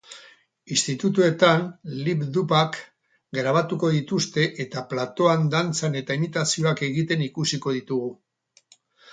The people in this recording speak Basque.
Institutuetan lip dub-ak grabatuko dituzte eta platoan dantzan eta imitazioak egiten ikusiko ditugu.